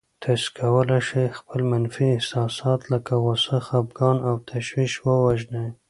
تاسې کولای شئ خپل منفي احساسات لکه غوسه، خپګان او تشويش ووژنئ.